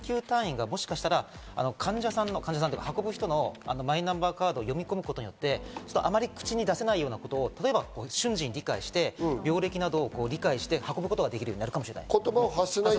例えば、救急車で人を運びに来た時に、救急隊員が運ぶ人のマイナンバーカードを読み込むことによって、あまり口に出さないようなことを瞬時に理解して、病歴などを理解して運ぶことができるようになるかもしれない。